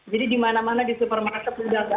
jadi di mana mana di supermarket sudah ada